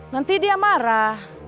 nanti dia marah